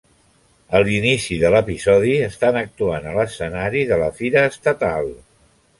A l"inici de l"episodi, estan actuant a l"escenari de la fira estatal.